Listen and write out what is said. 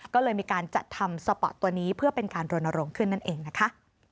ก็เลยมีการจัดทำสปอร์ตตัวนี้เพื่อเป็นการรณรงค์ขึ้นนั่นเองนะคะ